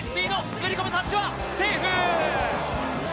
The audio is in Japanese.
滑り込みタッチはセーフ。